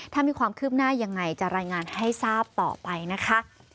ถ้ามีความคืบหน้ายังไงจะรายงานให้ทราบต่อไปนะคะ